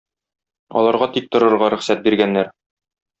Аларга тик торырга рөхсәт биргәннәр.